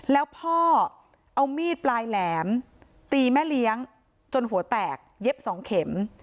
แล้วพ่อเอามีดปลายแหลมตีแม่เลี้ยงจนหัวแตกเย็บสองเข็ม